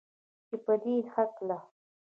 چې پدې هکله